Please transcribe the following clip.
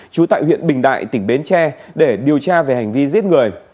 trú tại huyện bình đại tỉnh bến tre để điều tra về hành vi giết người